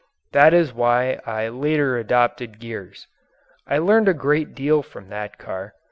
That is why I later adopted gears. I learned a great deal from that car.